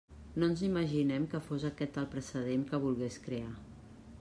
No ens imaginem que fos aquest el precedent que volgués crear.